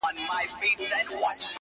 چي تر خوله یې د تلک خوږې دانې سوې -